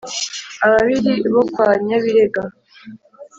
ababiri bo kwa nyabirega